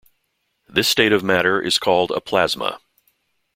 This state of matter is called a plasma.